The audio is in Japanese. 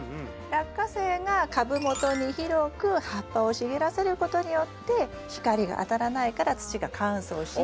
ラッカセイが株元に広く葉っぱを茂らせることによって光が当たらないから土が乾燥しにくい。